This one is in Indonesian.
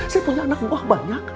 saya punya anak buah banyak